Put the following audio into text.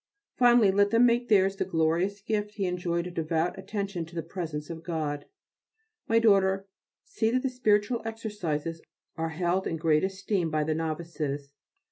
Finally, let them make theirs the glorious gift he enjoyed of devout attention to the presence of God. My daughter, see that the spiritual exercises are held in great esteem by the novices.